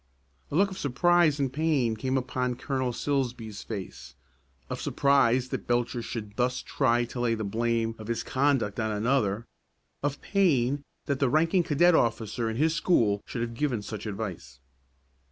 A look of surprise and pain came upon Colonel Silsbee's face, of surprise, that Belcher should thus try to lay the blame of his conduct on another; of pain, that the ranking cadet officer in his school should have given such advice.